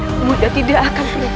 ibunda tidak akan